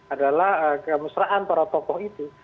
adalah kemesraan para tokoh itu